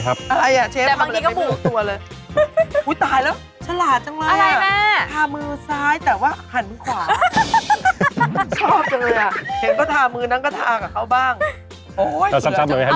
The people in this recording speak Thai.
เห็นก็ทามือนั้นก็ทากับเขาบ้าง